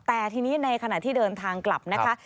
แต่ทีนี้ในขณะที่เดินทางกลับนะคะ